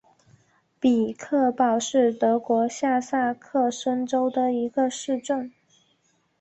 比克堡是德国下萨克森州的一个市镇。